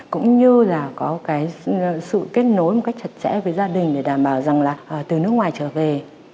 cũng như là có cái sự kết nối một cách chặt chẽ với gia đình để đảm bảo rằng là từ nước ngoài trở về